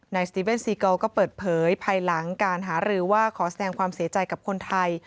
สติเว่นซีเกิลก็เปิดเผยภายหลังการหารือว่าขอแสดงความเสียใจกับคนไทย